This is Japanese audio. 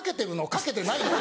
かけてないの？」。